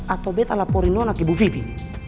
atau betah laporin nona ke ibu vivi